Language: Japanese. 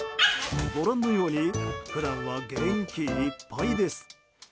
ご覧のように普段は元気いっぱいです。